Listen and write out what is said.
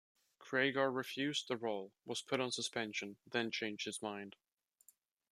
Cregar refused the role, was put on suspension, then changed his mind.